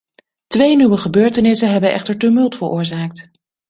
Twee nieuwe gebeurtenissen hebben echter tumult veroorzaakt.